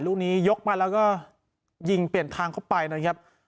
ลูกนี้ยกมาแล้วก็ยิงเปลี่ยนทางเข้าไปนะครับ